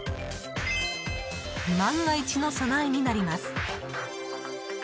万が一の備えになります。